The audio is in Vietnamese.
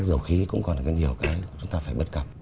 chúng ta phải bất cập